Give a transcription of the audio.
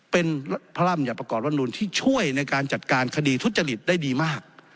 เป็นพระราชบัญญัติประกอบรัฐมนุนที่ช่วยในการจัดการคดีทุจริตได้ดีมาก